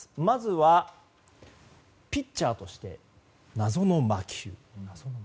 まずは、ピッチャーとして謎の魔球。